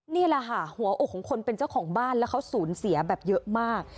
นี่แหละค่ะหัวอกของคนเป็นเจ้าของบ้านแล้วเขาสูญเสียแบบเยอะมาก